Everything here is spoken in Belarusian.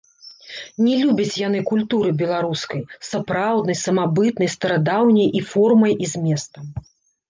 Не любяць яны культуры беларускай, сапраўднай, самабытнай, старадаўняй і формай і зместам.